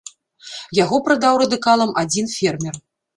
Яго прадаў радыкалам адзін фермер.